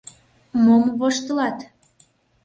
Мом воштылат?..